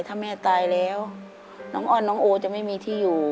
ถ้าแม่ตายแล้วน้องอ้อนน้องโอจะไม่มีที่อยู่